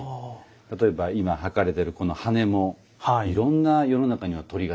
例えば今掃かれてるこの羽根もいろんな世の中には鳥がたくさんいますけれども。